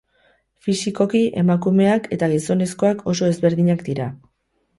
Fisikoki, emakumeak eta gizonak oso ezberdinak dira.